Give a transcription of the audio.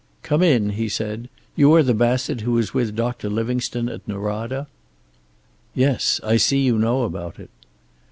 "Come in," he said. "You are the Bassett who was with Doctor Livingstone at Norada?" "Yes. I see you know about it."